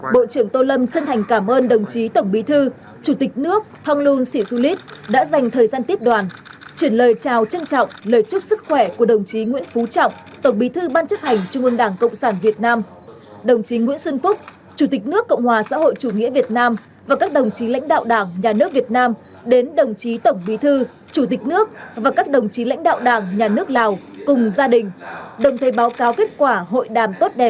bộ trưởng tô lâm chân thành cảm ơn đồng chí tổng bí thư chủ tịch nước thông luân sĩ xu lít đã dành thời gian tiếp đoàn chuyển lời chào trân trọng lời chúc sức khỏe của đồng chí nguyễn phú trọng tổng bí thư ban chấp hành trung ương đảng cộng sản việt nam đồng chí nguyễn xuân phúc chủ tịch nước cộng hòa xã hội chủ nghĩa việt nam và các đồng chí lãnh đạo đảng nhà nước việt nam đến đồng chí tổng bí thư chủ tịch nước và các đồng chí lãnh đạo đảng nhà nước lào cùng gia đình đồng thời báo cáo kết quả hội đàm tốt đ